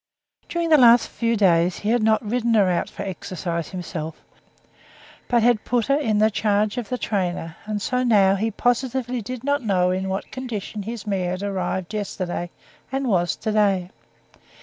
During the last few days he had not ridden her out for exercise himself, but had put her in the charge of the trainer, and so now he positively did not know in what condition his mare had arrived yesterday and was today.